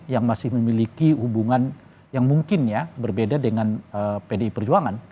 yang masih memiliki hubungan yang mungkin ya berbeda dengan pdi perjuangan